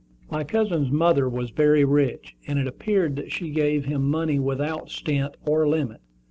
My cousin's mother was very rich, and it appeared that she gave him money without stint or limit.